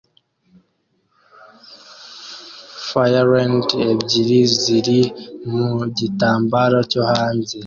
Firends ebyiri ziri mu gitaramo cyo hanze